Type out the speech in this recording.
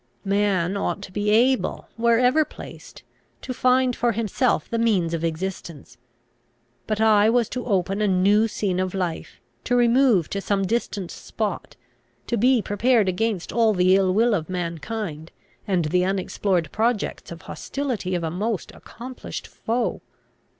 Man ought to be able, wherever placed, to find for himself the means of existence; but I was to open a new scene of life, to remove to some distant spot, to be prepared against all the ill will of mankind, and the unexplored projects of hostility of a most accomplished foe.